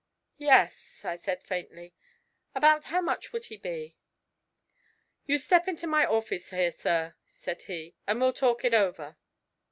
'Yes,' I said faintly. 'About how much would he be?' 'You step into my orfice here, sir,' said he, 'and we'll talk it over.'